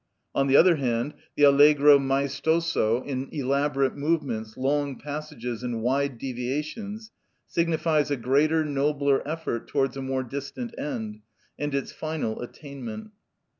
On the other hand, the Allegro maestoso, in elaborate movements, long passages, and wide deviations, signifies a greater, nobler effort towards a more distant end, and its final attainment.